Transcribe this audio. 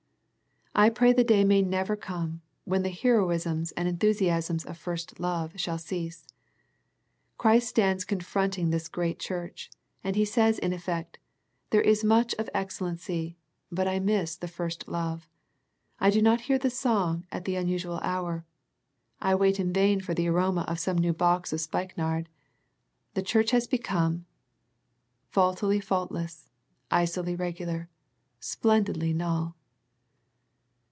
I pray the day may never come when the hero isms and enthusiasms of first love shall cease. Christ stands confronting this great church, and He says in effect. There is much of ex cellency, but I miss the first love. I do not hear the song at the unusual hour. I wait in vain for the aroma of some new box of spike nard. The church has become " Faultily faultless, icily regular, • Splendidly null."